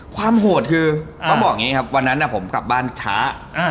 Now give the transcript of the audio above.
โหดคือต้องบอกอย่างนี้ครับวันนั้นผมกลับบ้านช้า